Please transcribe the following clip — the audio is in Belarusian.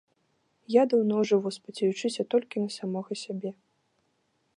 Я даўно жыву, спадзеючыся толькі на самога сябе.